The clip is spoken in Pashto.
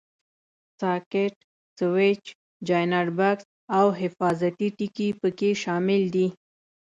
ساکټ، سویچ، جاینټ بکس او حفاظتي ټکي پکې شامل دي.